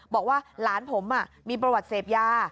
บอกว่าหลานผมมีประวัติเสพยา